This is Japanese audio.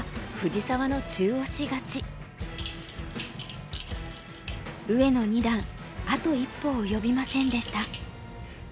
結果は上野二段あと一歩及びませんでした。